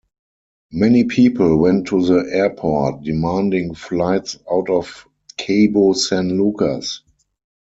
Many people went to the airport, demanding flights out of Cabo San Lucas.